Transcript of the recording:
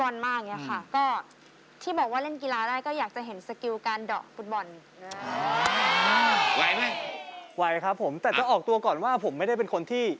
นี่แค่ดอกไม่อยากคมเด็กไม่อยากคมเด็ก